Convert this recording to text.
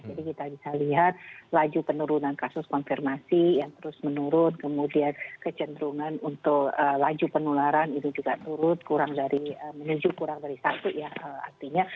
jadi kita bisa lihat laju penurunan kasus konfirmasi yang terus menurun kemudian kecenderungan untuk laju penularan itu juga turut kurang dari menuju kurang dari satu ya artinya